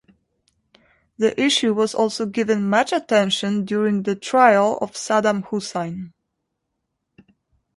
The issue was also given much attention during the trial of Saddam Hussein.